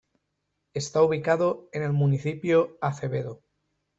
Está ubicado en el Municipio Acevedo.